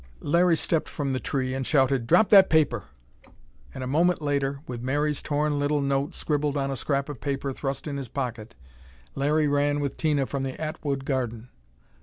Larry stepped from the tree, and shouted, "Drop that paper!" And a moment later, with Mary's torn little note scribbled on a scrap of paper thrust in his pocket, Larry ran with Tina from the Atwood garden.